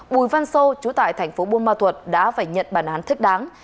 bùi văn sô chú tại thành phố buôn ma thuật đã phải nhận bản án thích đáng